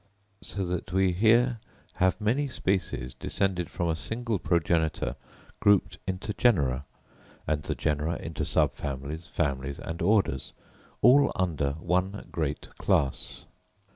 So that we here have many species descended from a single progenitor grouped into genera; and the genera into subfamilies, families and orders, all under one great class.